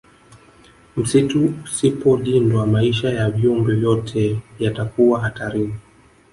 Msitu usipolindwa maisha ya viumbe vyote yatakuwa hatarini